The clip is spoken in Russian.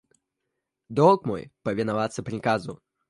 – Долг мой повиноваться приказу.